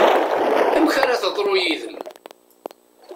Amek ara teḍru yid-m?